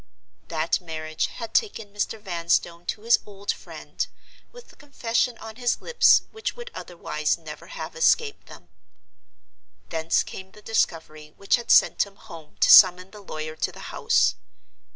That marriage had taken Mr. Vanstone to his old friend, with the confession on his lips which would otherwise never have escaped them. Thence came the discovery which had sent him home to summon the lawyer to the house.